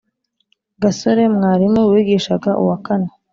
gasore mwarimu wigishaga uwakane